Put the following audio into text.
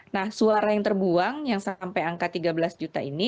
nah suara yang terbuang yang sampai angka tiga belas juta ini